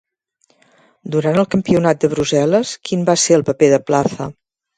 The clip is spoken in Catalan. Durant el Campionat de Brussel·les, quin va ser el paper de Plaza?